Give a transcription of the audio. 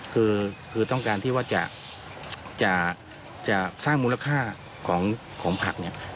คือต้องการที่จะสร้างมูลค่าให้ผลักษณ์ให้มักขึ้น